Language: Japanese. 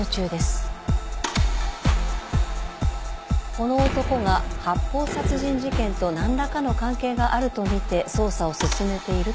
この男が発砲殺人事件と何らかの関係があるとみて捜査を進めているということです。